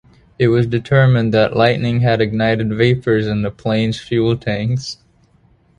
It was determined that lightning had ignited vapors in the plane's fuel tanks.